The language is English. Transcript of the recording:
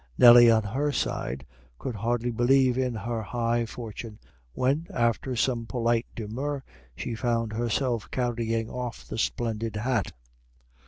Nelly, on her side, could hardly believe in her high fortune, when, after some polite demur, she found herself carrying off the splendid hat.